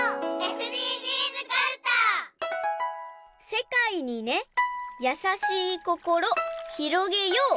「せかいにねやさしいこころひろげよう」。